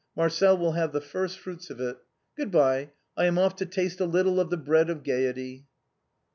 Marcel will have the first fruits of it. Good bye, I am off to taste a little of the bread of gaiety."